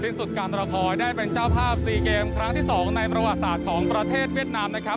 สุดการรอคอยได้เป็นเจ้าภาพ๔เกมครั้งที่๒ในประวัติศาสตร์ของประเทศเวียดนามนะครับ